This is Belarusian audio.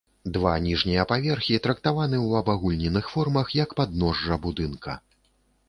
Два ніжнія паверхі трактаваны ў абагульненых формах як падножжа будынка.